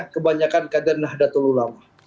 kebanyakan kadang nahdlatul ulama